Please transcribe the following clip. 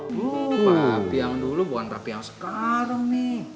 papi yang dulu bukan papi yang sekarang mi